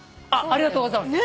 ありがとうございます。